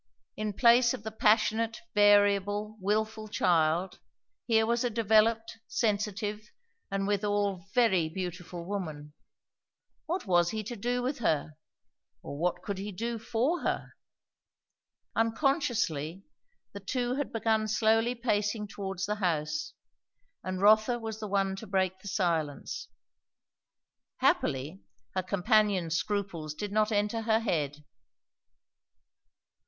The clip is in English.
In place of the passionate, variable, wilful child, here was a developed, sensitive, and withal very beautiful woman. What was he to do with her? or what could he do for her? Unconsciously, the two had begun slowly pacing towards the house, and Rotha was the one to break the silence. Happily, her companion's scruples did not enter her head.